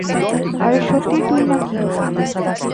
আরে সত্যিই তুই না কি?